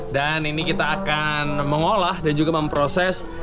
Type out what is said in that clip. dan ini kita akan mengolah dan juga memproses